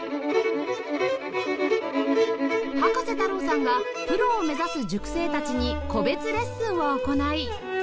葉加瀬太郎さんがプロを目指す塾生たちに個別レッスンを行い